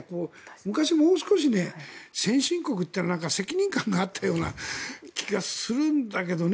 昔、もう少し、先進国は責任感があったような気がするんだけどね。